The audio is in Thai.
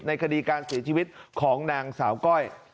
คดีการเสียชีวิตของนางสาวก้อย